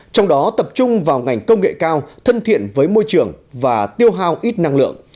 trong đó tập trung vào ngành công nghệ cao thân thiện với môi trường và tiêu hao ít năng lượng